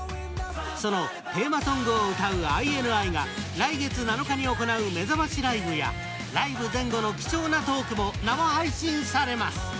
そのテーマソングを歌うＩＮＩが来月７日に行うめざましライブやライブ前後の貴重なトークも生配信されます。